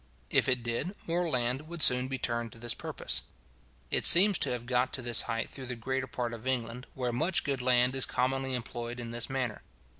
If it did, more land would soon be turned to this purpose. It seems to have got to this height through the greater part of England, where much good land is commonly employed in this manner.